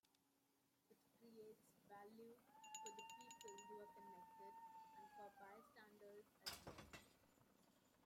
It creates value for the people who are connected, and for bystanders as well.